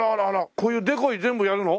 こういうデコイ全部やるの？